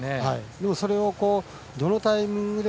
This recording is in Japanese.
でも、それをどのタイミングで。